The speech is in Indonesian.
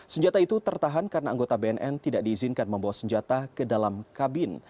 senjata itu tertahan karena anggota bnn tidak diizinkan membawa senjata ke dalam kabin